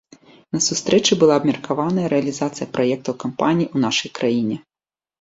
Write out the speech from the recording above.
На сустрэчы была абмеркаваная рэалізацыя праектаў кампаніі ў нашай краіне.